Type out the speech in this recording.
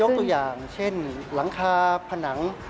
ตัวอย่างเช่นหลังคาผนัง